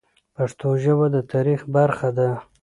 پښتو ژبه د تاریخ برخه ده.